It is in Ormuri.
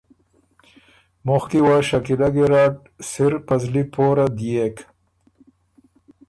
مخکي وه شکیله ګیرډ سِر په زلی پوره ديېک